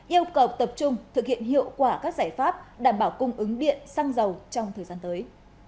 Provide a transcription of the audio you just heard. yêu cầu tập trung thực hiện hiệu quả các giải pháp đảm bảo cung ứng điện xăng dầu trong thời gian tới